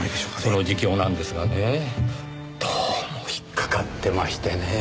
その自供なんですがねどうも引っかかってましてねぇ。